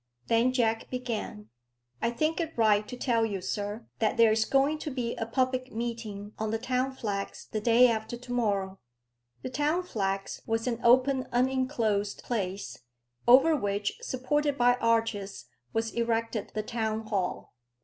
Then Jack began. "I think it right to tell you, sir, that there's going to be a public meeting on the Town Flags the day after to morrow." The Town Flags was an open unenclosed place, over which, supported by arches, was erected the Town Hall.